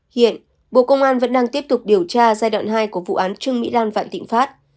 hiện bộ công an vẫn đang tiếp tục điều tra giai đoạn hai của vụ án trương mỹ lan vạn thịnh pháp